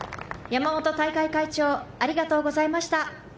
山本大会会長、ありがとうございました。